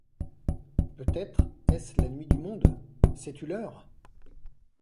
Peut-être est-ce la nuit du monde ? Sais-tu l’heure ?